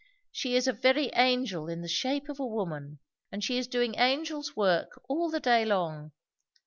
She is a very angel in the shape of a woman; and she is doing angel's work all the day long.